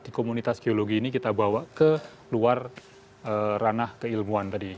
di komunitas geologi ini kita bawa ke luar ranah keilmuan tadi